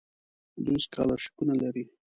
دوی سکالرشیپونه لري.